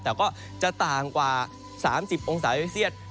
แต่ก็จะต่างกว่า๓๐องศาเซลเซียต